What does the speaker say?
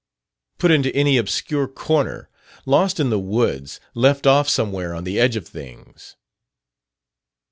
Put into any obscure corner, lost in the woods, left off somewhere on the edge of things...."